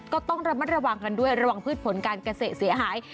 ก็ต้องระมัดระวังกันด้วยระวังพืชผลการเกษตรเสียหาย